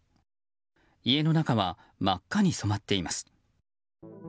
家の中は真っ赤に染まっています。